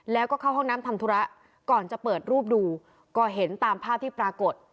แล้วก็เข้าห้องน้ำทำธุระก่อนจะเปิดรูปดูก็เห็นตามภาพที่ปรากฏ